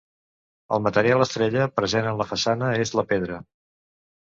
El material estrella present en la façana és la pedra.